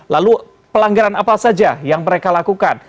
lalu pelanggaran apa saja yang mereka lakukan